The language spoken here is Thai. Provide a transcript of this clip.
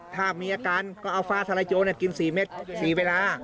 ถ้ามีอาการก็เอาฟ้าทลายโจรกิน๔เม็ด๔เวลา